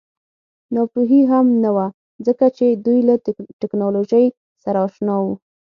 ناپوهي هم نه وه ځکه چې دوی له ټکنالوژۍ سره اشنا وو